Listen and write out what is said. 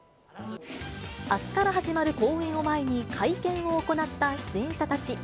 あすから始まる公演を前に、会見を行った出演者たち。